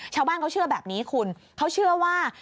ชาวบ้านเขาเชื่อแบบนี้คุณเขาเชื่อว่า